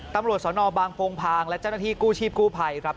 ตำรวจสนบางโพงพางและเจ้าหน้าที่กู้ชีพกู้ภัยครับ